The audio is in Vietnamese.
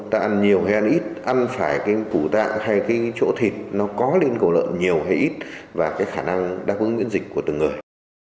ta ăn nhiều hay ăn ít ăn phải cái phủ tạng hay cái chỗ thịt nó có lên cổ lợn nhiều hay ít và cái khả năng đáp ứng miễn dịch của từng người